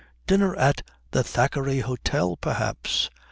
Dinner at the Thackeray Hôtel, perhaps.